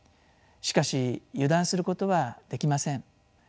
しかし油断することはできません。